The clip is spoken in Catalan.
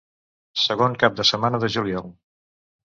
Segon cap de setmana de juliol.